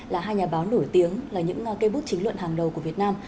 là hai nhà báo nổi tiếng là những cây bước chính luận hàng đầu của việt nam